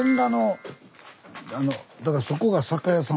だからそこが酒屋さん。